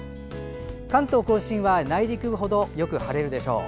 関東・甲信は内陸部ほどよく晴れるでしょう。